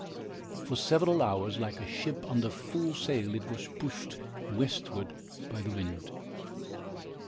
For several hours, like a ship under full sail, it was pushed westward by the wind.